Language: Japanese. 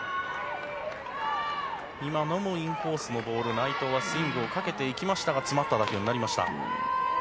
今のもインコースのボール内藤はスイングかけていきましたが詰まった打球になりました。